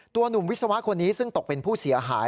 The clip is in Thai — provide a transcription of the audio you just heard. หนุ่มวิศวะคนนี้ซึ่งตกเป็นผู้เสียหาย